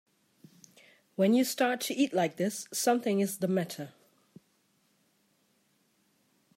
When you start to eat like this something is the matter.